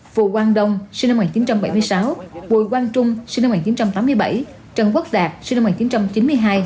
phù quang đông sinh năm một nghìn chín trăm bảy mươi sáu bùi quang trung sinh năm một nghìn chín trăm tám mươi bảy trần quốc đạt sinh năm một nghìn chín trăm chín mươi hai